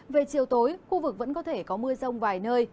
về chiều tối khu vực vẫn có thể có mưa rông vài nơi